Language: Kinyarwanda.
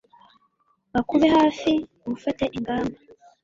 bakube hafi mufate ingamba